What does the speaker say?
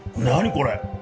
これ。